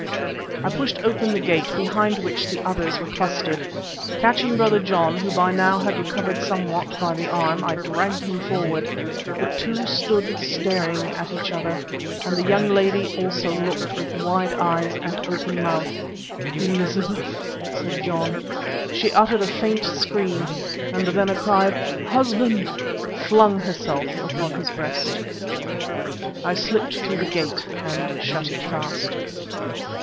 I pushed open the gate behind which the others were clustered. Catching Brother John, who by now had recovered somewhat, by the arm, I dragged him forward. The two stood staring at each other, and the young lady also looked with wide eyes and open mouth. "Elizabeth!" said John. She uttered a faint scream, then with a cry of "Husband!" flung herself upon his breast. I slipped through the gate and shut it fast.